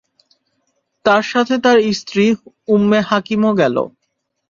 তার সাথে তার স্ত্রী উম্মে হাকীমও গেল।